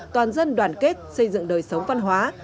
toàn dân đoàn kết xây dựng đời sống văn hóa